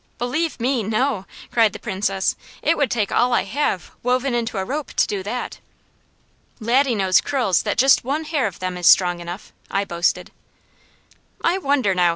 "Believe me, no!" cried the Princess. "It would take all I have, woven into a rope, to do that." "Laddie knows curls that just one hair of them is strong enough," I boasted. "I wonder now!"